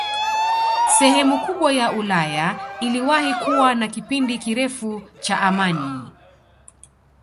Sehemu kubwa ya Ulaya iliwahi kuwa na kipindi kirefu cha amani